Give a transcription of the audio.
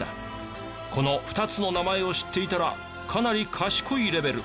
この２つの名前を知っていたらかなり賢いレベル。